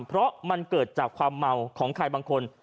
เพราะมันเกิดจากความเมาของใครบางคน